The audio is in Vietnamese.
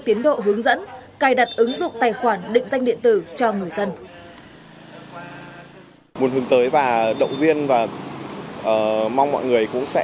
tiến độ hướng dẫn cài đặt ứng dụng tài khoản định danh điện tử